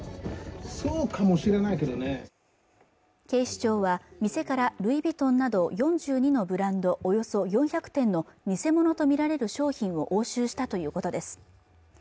警視庁は店からルイ・ヴィトンなど４２のブランドおよそ４００点の偽物と見られる商品を押収したということです